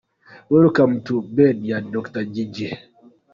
Welcome to Bed ya Dr Jiji.